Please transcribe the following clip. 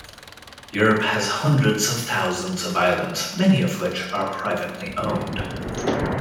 Europe has hundreds of thousands of islands many of which are privately owned.